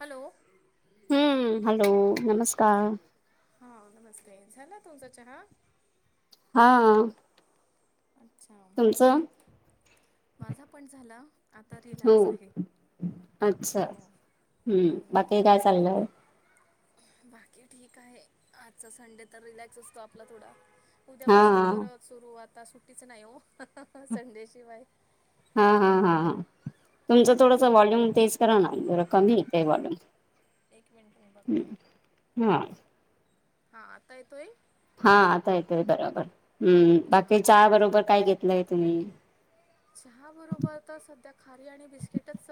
Hello, हम्म. Hello नमस्कार. हां.. नमस्ते झाला, तुमचा चहा. हां.. अच्छा. माझा पण झाला, आता हो रिलॅक्स आहे अच्छा हो. हम्म. बाकी काय चालय. बाकी ठीक आहे आजचा संडे तर, रिलॅक्स असतो आपला थोडा हा उद्यापासून परत. सुरू आता सुट्टीच नाही ओ संडेशिवाय. हा हा हा हा. तुमचं हा थोडस वॉल्यूम तेज करा ना, जरा कमी येत वॉल्यूम. एक मिनट मी बघते. हा. हा, आता येतोय? हा आता येतंय बरोबर, हम्म.. बाकी अच्छा चहा बरोबर काय घेतलंय तुम्ही. चहा बरोबर तर सध्या खारी आणि बिस्किटच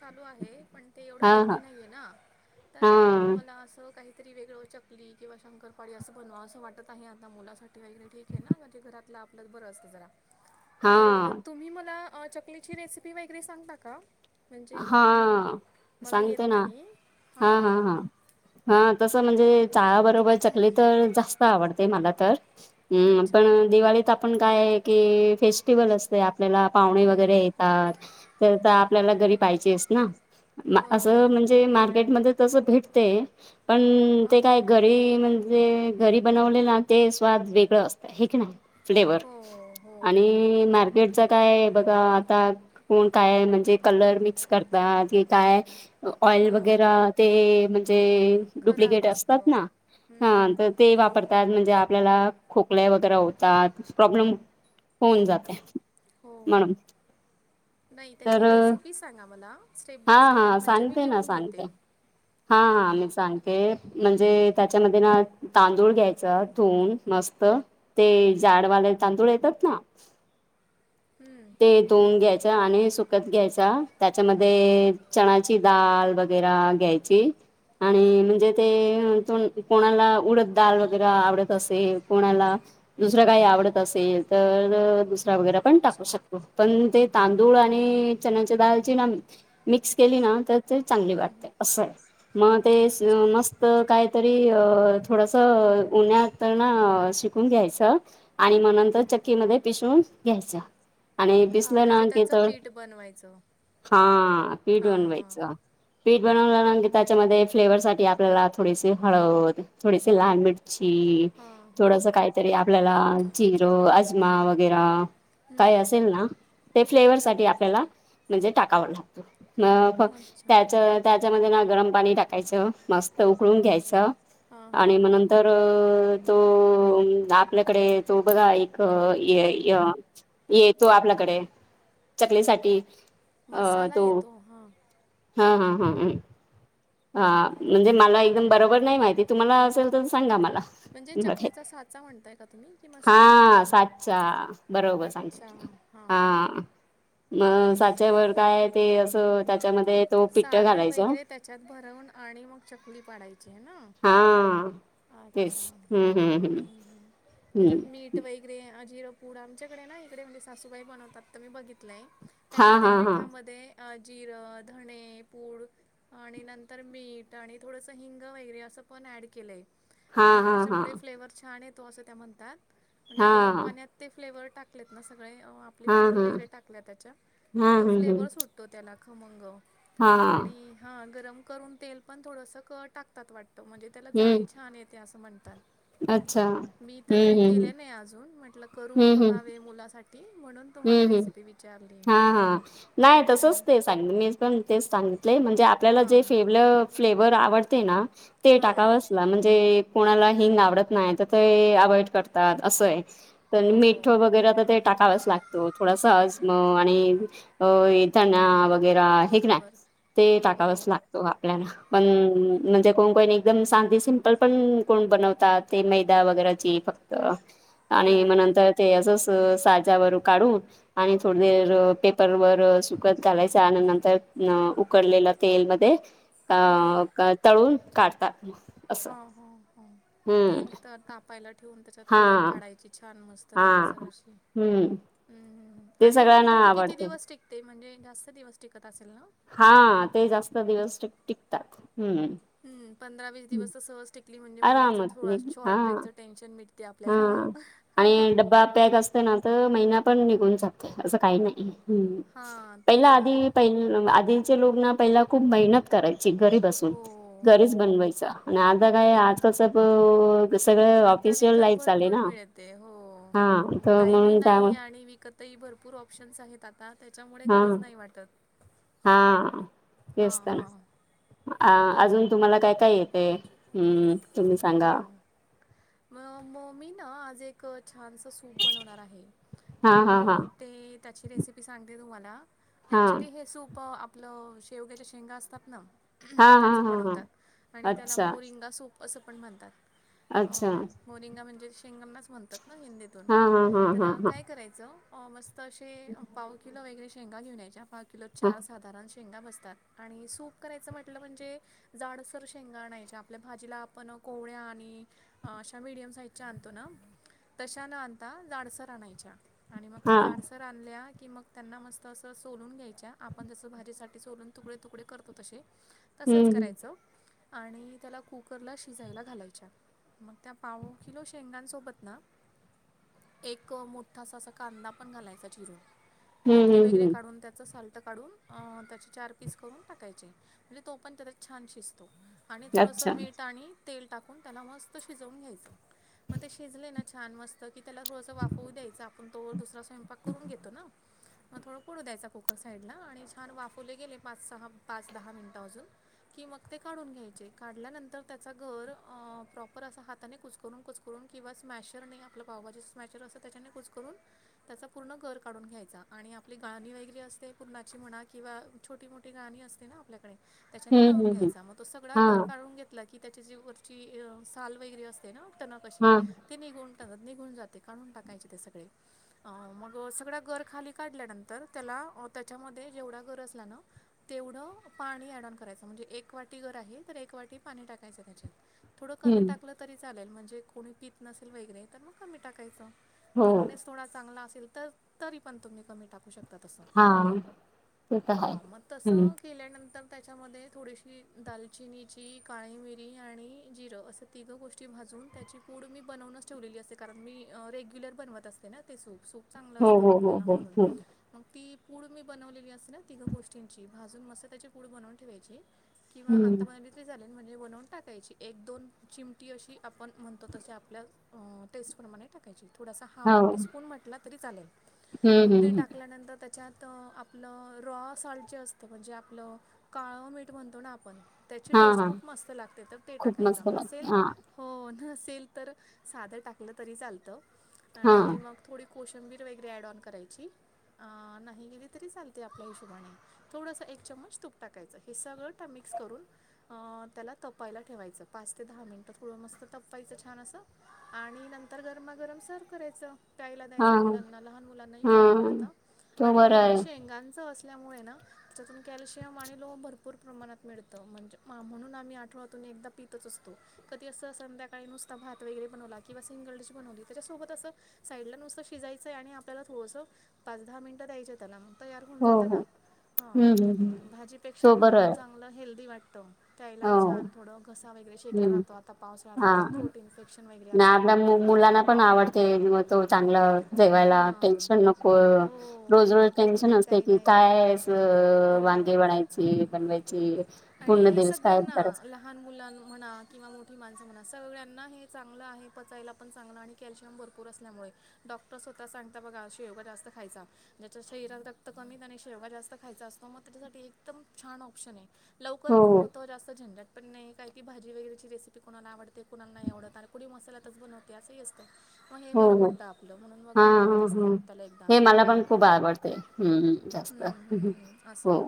चालू आहे. पण ते एवढं हा हेल्दी हा नाही आहे ना, तर हा मला असं काहीतरी वेगळं. चकली किंवा शंकरपाळी असं बनवा असं वाटत आहे. आता मुलासाठी वगैरे ठीक आहे ना, म्हणजे घरातलं आपलंच बरं असतं जरा. [inaudible] तर तुम्ही मला चकलीची रेसिपी वगैरे सांगता का. म्हणजे मग मी, हा मला सांगते येत ना नाही हा हां हां हा हा हां.. हा तसं म्हणजे चहाबरोबर चकली तर जास्त आवडते मला तर. हम्म. अच्छा पण दिवाळीत आपण काय की, फेस्टिवल असते आपल्याला पाहुणे वगैरे हम्म, येतात. तर, तर आपल्याला घरी पाहिजेस ना असं बरोबर म्हणजे मार्केटमध्ये तसं भेटते, पण हां ते काय घरी म्हणजे घरी बनवले ना ते. स्वाद वेगळ असतेय हे कणी, फ्लेवर हो हो आणि मॉ [unintelligible] काय बघा आता कोण, काय आहे म्हणजे कलर मी [unintelligible] करता की काय? ऑइल हो वगैरे ते म्हणजे खराब डुप्लिकेट असतात असतं ना. हा तर हम्म ते वापरत त्यात म्हणजे आपल्याला खोकले वगैरे होतात प्रॉब्लेम होऊन जातंय. हो हो नाही. तर त्याची रेसिपी सांगा मला. स्टेप हा बाय स्टेप म्हणजे मी लिहून घेते. हां. हां. मी सांगते म्हणजे त्याच्यामध्ये ना तांदूळ घ्यायचा धुऊन मस्त. ते जाडवाले तांदूळ येतात ना? हम्म. ते धून घ्यायचा, आणि सुकत घ्यायचा. त्याच्यामध्ये चणाची डाल वगैरा घ्यायची. आणि म्हणजे ते त कोणाला उडत डाळ वगैरे आवडत असे कोणाला दुसर काही आवडत असेल, तर दुसरा वगैरा पण टाकू अच्छा. शकतो पण ते तांदूळ आणि चनाची दाळची ना मिक्स केली ना तर ते चांगली हम्म हम्म. वाटते असं आहे. मग ते अच्छा. मस्त काहीतरी थोडंसं उन्हाळयात. तर ना सुकून घ्यायचं, आणि मग नंतर चक्की मध्ये पिसवून घ्यायचं. आणि हां पिसलं ना म्हणजे की त्याचं तर पीठ बनवायचं. हा पीठ हां हां. बनवायचं. पीठ बनवलं की त्याच्यामध्ये फ्लेवर साठी आपल्याला थोडीसे हळद थोडीसे लाल मिर चि हां हां. थोडस काहीतरी आपल्याला जिरं, अजमा वगेरा. काय हम्म. असेल ना? ते फ्लेवर साठी आपल्याला. म्हणजे टाकाव लागतो फक्त अच्छा. त्याच्यात त्याच्यामध्ये ना गरम पाणी टाकायचं मस्त उकळून घ्यायचं हां हां आणि मग हां. नंतर अ तो. आपल्याकडे तो बघा एक ये ये येतो आपल्याकडे. चकलीसाठी अ मसाला तो येतो हां. हा हा हा ह. हा म्हणजे मला एकदम बरोबर नाही माहिती तुम्हाला असेल तर सांगा मला. म्हणजे चकलीचा साचा म्हणताय का तुम्ही की मसाला? हा साचा बरोबर अच्छा सांगते. हां हा हां. मग साच्यावर काय ते असं त्याच्यामध्ये. तो पिट्ट सारण घालायचा वगैरे त्याच्यात भरवून आणि मग चकली पाडायची आहे ना? हा. अच्छा. हम्म. हम्म. हम्म. हम्म तेच्यात मीठ वगेरा आ जिरे पूड आमच्याकडे ना, इकडे म्हणजे सासूबाई बनवतात तर मी बघितलंय. हा त्यांनी त्या हा हा पिठामध्ये अ जिरं, धणे पूड. आणि नंतर मीठ आणि थोडंसं हिंग वगैरे असं पण ॲड केलंय. हा आणि हा हा त्याच्यामुळे फ्लेवर छान येतो. असं त्या म्हणतात म्हणजे हा गरम पाण्यात. ते फ्लेवर टाकलेत ना सगळे, आपले हा हा पूड हा वगैरे टाकल्या त्याच्या की तो हम्म हम्म फ्लेवर सुट तो त्याला खमंग हा आणि हा गरम करून. तेल पण थोडंसं क टाकतात वाटतं, म्हणजे त्याला जाळी हम्म छान येते असं म्हणतात. अच्छा मी तर हम्म काही केले हम्म नाही अजून म्हटलं करून हम्म हम्म बघावे मुलासाठी म्हणून. हम्म तुम्हाला हम्म रेसिपी विच हा. हा. नाही तसच, ते सांगित मी पण तेच सांगितले म्हणजे आपल्याला जे हां फेवलं फ्लेवर आवडते ना ते हां टाकाव ला म्हणजे कोणाला हिंग आवडत नाही, तर ते अवॉइड कर तात असं आहे. तर मिठ हो वगैरे तर ते टाकावंच लाग थोडासा आजम आणि ये धना व वगै हे क ना बरोबर ते हो टाकावच लागतो आपल्याला. पण म्हणजे, कोण कोण एकदम साधी सिंपल पण कोण बनवतात ते मैदा वगैरेची. फक्त हो आणि मग नंतर ते असंच साचावर काढून आणि थोडी देर पेपरवर सुकत घालायचं आणि नंतर अ उकडलेला तेलमध्ये हां ता क तळून काढतात मग. ह हा हा. तेल तर तापायला ठेवून त्याच्यात हा तळून काढायची छान मस्त. हा लालसर अशी हम्म हं हं हं. ते आणी मग सगळ्यांना नंतर ते किती आवडते दिवस टिक ते म्हणजे जास्त दिवस टिकत असेल ना? हा ते जास्त दिवस टिक-टिकतात हम्म. हम्म पंधरा विस दिवस सहज टिकली म्हणजे मुलांच आरामात थोडा हा शॉर्ट ब्रेकचं टेन्शन मिट हा आणि डब्बा पॅक असतं ना तर महिना पण निघून जातो असं काही नाही. हम्म. हां, पहिला तेच ना. आधी पहि आधीचे लोग ना पहिला खूप मेहनत करायची घरी बसून. हो, हो. घरीच बनवायच आणि आता काय आजकाल सब ते सगळं ऑफीस कत भरपूर मिळते हो आणी तर टाइम ही म्हणून नाही त्यामुळे आणि विकतही भरपूर ऑप्शन्स आहेत आता, त्याच्यामुळे हा गरज नाही वाटत. हा ते हां, असतं ना. हां, अ अजून तुम्हाला काय काय येते? हम्म, तुम्ही सांगा. हां. मग मी ना आज एक छानसं सूप बनवणार आहे. हा तर हा हा मी ते त्याची रेसिपी सांगते तुम्हाला. हा ॲक्च्युली हे सूप आपलं शेवग्याच्या शेंगा असतात ना, हा हा त्याचं हा हा बनवतात. आणि त्याला अच्छा मोरिंगा सूप असं पण म्हणतात. अ अच्छा मोरिंगा म्हणजे शेंगानाच म्हणतात ना हिंदीतून. हा हा हा तर हा हा काय करायचं मस्त असे पाव किलो वगैर शेंगा घेऊन यायच्या. पाव किलो हा चा साध [unintelligible] शेंगा बसतात आणि सूप करायच म्हटलं म्हणजे जाड तर शेंगा आणायच्या. आपल्या भाजीला आपण कोवळ्या आणि अशा मीडियम साईजच्या आणतो ना. तशा न आणता जाडसर आणायच्या आणि मग त्या हा जाडसर आणल्या, की मग त्यांना मस्त असं सोलून घ्यायच्या. आपण जसं भाजीसाठी सोलून तुकडे तुकडे करतो तसे. [inaudible] तसंच करायचं आणि त्याला कुकरला शिजायला घालायच्या. मग त्या पाव किलो शेंगांसोबत ना एक मोठासा असा कांदा पण घालायचा चिरून. हम्म पोतरी हम्म वगैरे हम्म काढून त्याचं सालट काढून अ त्याचे चार पीस करून टाकायचे म्हणजे तो पण त्याच्यात छान शिजतो. आणि थोडंसं अच्छा मीठ आणि तेल टाकून त्याला मस्त शिजवून घ्यायचं पण ते शिजले ना छान मस् की त्याला थोडंस वाफवू द्यायचं, आपण तोवर दुसरा स्वयंपाक करून घेतो ना. मग थोडं पडू द्यायचा कुकर साईडला आणि छान वाफवले गेले पाच सहा, पाच दहा मिनिटं अजून. कि मग ते काढून घ्यायचे. काढल्यानंतर त्याचा गर अ प्रॉपर असं हाताने कुस्करून कुचकरून किंवा स्मॅशरने आपलं पावभाजी स्मॅशर असतं त्याच्याने कुचकरून त्याचा पूर्ण गर काढून घ्यायचा आणि आपली गाळणी वगैरी असते पूरणाची म्हणा किंवा छोटी-मोठी गाणी असते ना आपल्याकडे त्याच्याने हम्म काढून हम्म हम्म घ्यायचा मग तो सगळा हा गर काढून घेतला की त्याच्या जे वरची य साल वगैरे असते ना टनक अशी. हा ते निघून टक निघून जाते काढून टाकायचे ते सगळे. अ मग सगळ्या गर खाली काढल्यानंतर त्याला अ त्याच्यामध्ये जेवढा गर असला ना तेवढं पाणी एडॉम करायचं म्हणजे एक एक वाटी गर आहे, तर एक वाटी पाणी टाकायचं त्याच्यात. थोडं कमी हम्म टाकलं तरी चालेल म्हणजे कोणी पीत नसेल वगेरे तर मग कमी टाकायच हो थिकनेस थोडा चांगला असेल तर, तरी पण तुम्ही कमी टाकू शकता. त तसं. हा ते तर हा हाय मग हम्म. तसं केल्यानंतर त्याच्यामध्ये थोडीशी ही दालचिनीची, काळी मिरी आणि जिरं असं तिघं गोष्टी भाजून त्याची पुड मी बनवून ठेवलेली असते कारण, मी रेग्युलर बनवत असते ना ते सूप सूप चांगलं हो असतं हो हो आपल्याला हो म्हणून. हो. मग ती पूड मी बनवलेली असते ना तिघं गोष्टींची भाजून मस्त त्याची पूड बनवून ठेवायची. किंवा हम्म आता [unintelligible] म्हणजे बनवून टाकायची, एक दोन चिमटी अशी आपण म्हणतो तशी आपल्या. अं टेस्ट प्रमाणे टाकायची थोडासा हाफ हो टीस्पून म्हंटला तरी चालेल हम्म मग हम्म ते हम्म. टाकल्या नंतर ते च्यात आपलं रॉ साॉल्ट जे असतं म्हणजे आपलं काळं मीठ म्हणतो ना आपण त्याची हा टेस्ट हा खूप मस्त लागते तर ते खूप टाकायच मस्त लागते नसेल हा हो नसेल तर साधं टाकलं तरी चालतं हा आणि मग थोडी कोशंबीर वगैरे ऍड ऑन करायची. नाही गेली तरी चालते, आपल्या हिशोबाने थोडंसं एक चमच तूप टाकायचं हे सगळं. तर मिक्स करून. त्याला तपायला ठेवायचं, पाच ते दहा मिनिटं थोडं मस्त तपवायचं छान असं. आणि नंतर गरमागरम सर्व्ह करायचं. प्यायला हा द्यायचं मुलांना लहान मुलांनाही खूप हा आवडतं, तो आणि बरा पूर्ण आहे शेंगांचं असल्यामुळे ना. त्यातून कॅल्शियम आणि लोह भरपूर प्रमाणात मिळतं म्हणजे, मा म्हणून आम्ही आठव्यातून एकदा पितच असतो. कधी असं संध्याकाळी नुसता भात वगैरे बनवला, किंवा सिंगल डिश बनवली त्याच्यासोबत असं. साईडला नुसत शिजायचंय आणि आपल्याला थोडस पाच दहा मिनिटं द्यायच. त्याला मग तयार होऊन हो जातं हो ना, हं.. हम्म हम्म हम्म. भाजीपेक्षा तो बरा महे. आहे मला हेल्दी वाटतो. प्यायला हो हि छान थोडा घसा वगैरे शेकला हम्म जातो आता पावसाळ्यात हा आपल्याला फ्रुट इन्फेक्शन वगैरे ना असतं. आपल्या मु मुलांना पण आवडते, म तो चांगला जेवायला हां टेन्शन नको. हो रोज आणि रोज तिखट टेन्शन नाही असते, काही की नाही काय अस वांगे हो वढायचे. चेरी बनवायचीये आणि हे सगळ्यांना. लहान मुलां म्हणा किंवा मोठी माणसं म्हणा, सगळ्यांना हे चांगलं आहे, पचायला पण चांगलं आणि. कॅल्शियम भरपूर असल्यामुळे डॉक्टर स्वतः सांगता बघा शेवगा जास्त खायचा. ज्याच्या शरीरात रक्त कमी त्याने शेवगा जास्त खायचा असतो मग त्याच्यासाठी एकदम छान ऑप्शन आहे. लवकर हो पण होतं, जास्त झंझट. पण नाही कायती भाजी वेगरेची रेसिपी कोणाला आवडते कोणा नाही आवडत आणि कुणी मसालातच बनवत असही असतं मग हे हो बरं हो पडतं आपलं, म्हणून मग हा मी बनवत हा असते हप्त्याला एकदा आणून. ते हम्म. जास्त हम्म हम्म हम्म असो हो.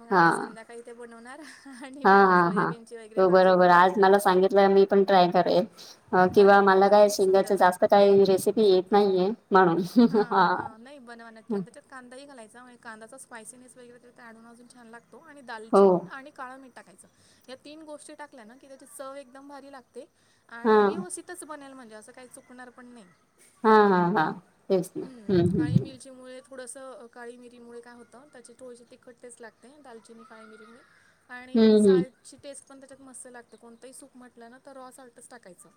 मग हा आता संध्याकाळी ते बनवणार आणि हा मग हा हा.. सोयाबीनची वगैरे हो भाजी बरोबर बनव आज म्हटलं. मला सांगितलं मी पण ट्राय करेल. अ.. किंवा बनवून मला बघा काय खूप शेंग्याच, सुंदर जास्त लागतं. काही रेसिपी येत नाहीये म्हणून. हा हा.. नाही बनवान नक्की. त्यात कांदाही घालायचा म्हणजे कांद्याचा स्पायसिनेस वगैरे तर ते अँड होऊन अजून छान लागतो आणि हो दालचिनी आणि काळ मीठ टाकायचं, या तीन गोष्टी टाकल्या ना की, त्याची चव एकदम भारी लागते. हा आणि व्यवस्थित. तच बनेल म्हणजे असं काही चुकणार पण नाही. हा हा हा. तेच ना हम्म काळी हम्म मिरची मुळे थोडंसं काळी मिरीमुळे काय होतं त्याचे थोडीशी तिखट टेस्ट लागते दालचिनी काळी मिरीमुळे. आणि हम्म हम्म साल्टची टेस्ट पण त्याच्यात मस्त लागते, कोणतंही सूप म्हटलं ना तर रॉ साल्टच टाकायचं.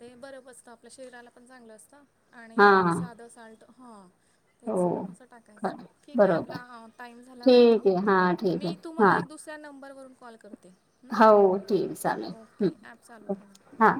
ते बर पचत आपल्या शरीराला पण चांगलं असतं हा आणि हा साधं साल्ट हां हो तेच असं टाकायचं खरं ठीक आहे बरोबर आपला टाईम झाला वाटतं ठीक आहे हा ठीक आहे मी तुम्हाला हा एक दुसर त्या नंबरवरून कॉल करते हो म्ह ओके ॲप चालू ठेवा हा